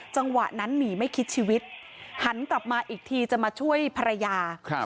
จังหวะนั้นหนีไม่คิดชีวิตหันกลับมาอีกทีจะมาช่วยภรรยาครับ